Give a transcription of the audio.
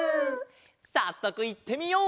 さっそくいってみよう！